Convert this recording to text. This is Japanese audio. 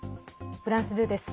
フランス２です。